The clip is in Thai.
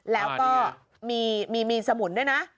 แล้วก็มีสมุนด้วยนะ